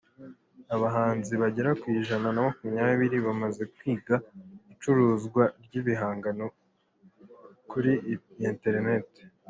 Abahanzi bagera ku ijana na makumyabiri bamaze kwiga icuruzwa ry’ibihangano kuri iterinete